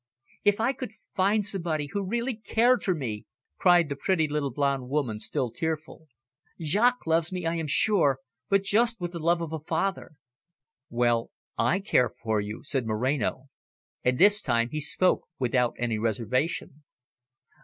"If I could find somebody who really cared for me," cried the pretty little blonde woman, still tearful. "Jaques loves me, I am sure, but just with the love of a father." "Well, I care for you," said Moreno, and this time he spoke without any reservation.